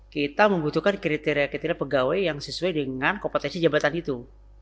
kita membutuhkan kriteria kriteria pegawai yang sesuai dengan kompetensi jabatan itu